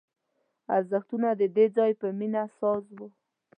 ارزښتونه د دې ځای په مینه ساز وو